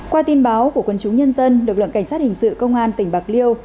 qua tin báo của quân chúng nhân dân lực lượng cảnh sát hình sự công an tỉnh bạc liêu